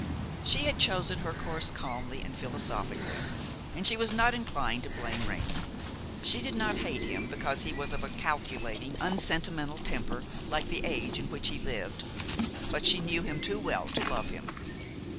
She had chosen her course calmly and philosophically, and she was not inclined to blame Raymon; she did not hate him because he was of a calculating, unsentimental temper like the age in which he lived; but she knew him too well to love him.